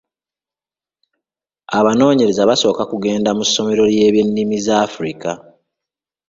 Abanoonyereza basooka kugenda mu ssomero ly'ebyennimi z'a Africa.